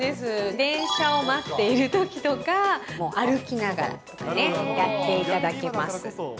電車を待っているときとか、歩きながらとかね、やっていただけます。